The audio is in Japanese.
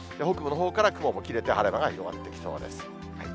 北部のほうから雲も切れて晴れ間も出てきそうです。